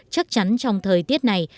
chắc chắn trong thời tiết này